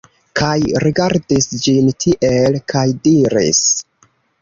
Kaj rigardis ĝin tiel, kaj diris: